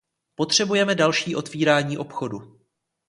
Potřebujeme další otvírání obchodu.